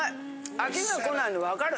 飽きが来ないのわかる！